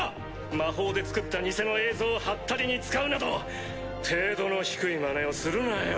魔法で作った偽の映像をハッタリに使うなど程度の低いまねをするなよ